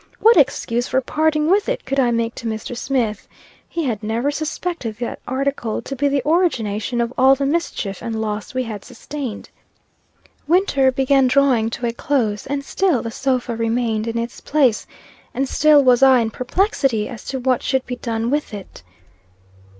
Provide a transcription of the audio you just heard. What excuse for parting with it could I make to Mr. Smith? He had never suspected that article to be the origination of all the mischief and loss we had sustained. Winter began drawing to a close, and still the sofa remained in its place, and still was I in perplexity as to what should be done with it.